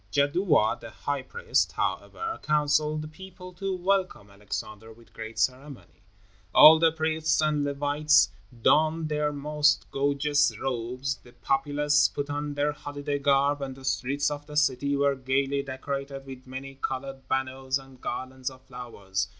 Jadua, the high priest, however, counseled the people to welcome Alexander with great ceremony. All the priests and the Levites donned their most gorgeous robes, the populace put on their holiday garb, and the streets of the city were gaily decorated with many colored banners and garlands of flowers.